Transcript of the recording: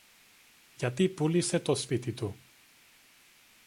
γιατί πούλησε το σπίτι του